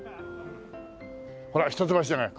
ほら一橋じゃない。